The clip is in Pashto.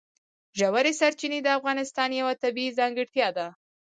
ژورې سرچینې د افغانستان یوه طبیعي ځانګړتیا ده.